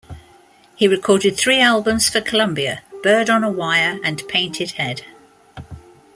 He recorded three albums for Columbia-"; "Bird on a Wire"; and "Painted Head".